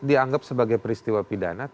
dianggap sebagai peristiwa pidana